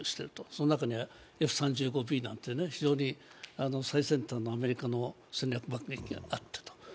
その中にＦ３５Ｂなんていうと、非常に最先端のアメリカの戦略爆撃機があったと。